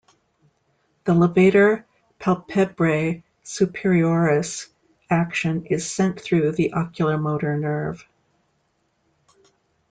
The levator palpebrae superioris' action is sent through the oculomotor nerve.